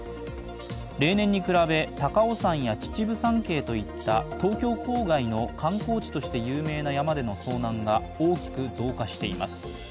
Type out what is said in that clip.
例年に比べ、高尾山や秩父山系といった東京郊外の観光地として有名な山での遭難が大きく増加しています。